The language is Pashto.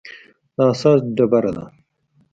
د اساس ډبره ده.